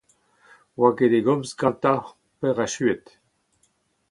Ne oa ket e gomz gantañ peurachuet.